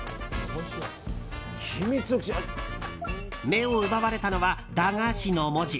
目を奪われたのは駄菓子の文字。